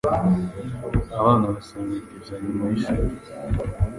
Abana basangiye pizza nyuma yishuri.